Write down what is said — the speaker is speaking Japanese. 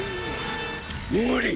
無理！